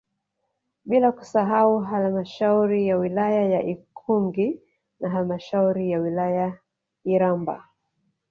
Bila kusahau Halamashauri ya wilaya ya Ikungi na halmashauri ya wilaya Iramba